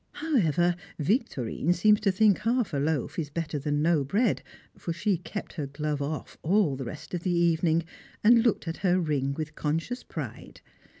However, Victorine seems to think half a loaf is better than no bread, for she kept her glove off all the rest of the evening, and looked at her ring with conscious pride.